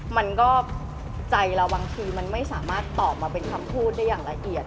มันก็ใจเราบางทีมันไม่สามารถตอบมาเป็นคำพูดได้อย่างละเอียด